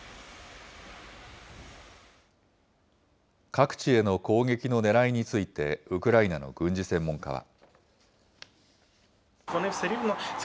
各地への攻撃のねらいについて、ウクライナの軍事専門家は。